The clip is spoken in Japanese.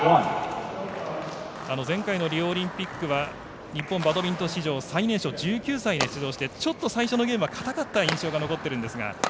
前回のリオオリンピックは日本バドミントン史上１９歳で出場してちょっと最初のゲームは硬かった印象が残っているんですが。